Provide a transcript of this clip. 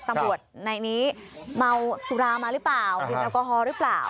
ตำรวจในนี้เมาสุรามาหรือเปล่าดื่มแอลกอฮอลหรือเปล่า